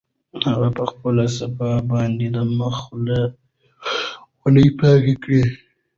هغه په خپله صافه باندې د مخ خولې پاکې کړې.